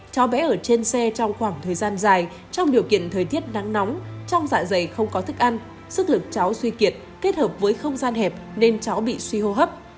cháu bé ở trên xe trong khoảng thời gian dài trong điều kiện thời tiết nắng nóng trong dạ dày không có thức ăn sức lực cháu suy kiệt kết hợp với không gian hẹp nên cháu bị suy hô hấp